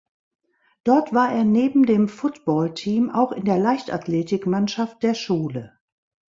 Dort war er neben dem Footballteam auch in der Leichtathletikmannschaft der Schule.